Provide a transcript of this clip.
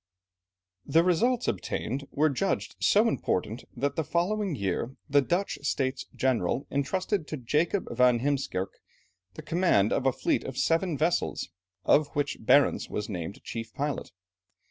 The results obtained were judged so important, that the following year, the Dutch States General entrusted to Jacob van Heemskerke, the command of a fleet of seven vessels, of which Barentz was named chief pilot.